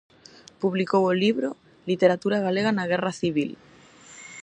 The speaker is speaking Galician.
Publicou o libro "Literatura galega na Guerra Civil".